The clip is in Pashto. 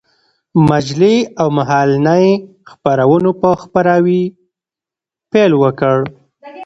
مجلې او مهالنۍ خپرونو په خپراوي پيل وكړ.